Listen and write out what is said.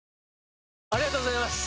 ありがとうございます！